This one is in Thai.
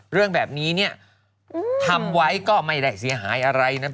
เรื่องแบบนี้เนี่ยทำไว้ก็ไม่ได้เสียหายอะไรนะ